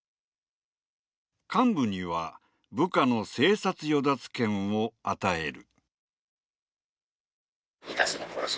幹部には部下の生殺与奪権を与える。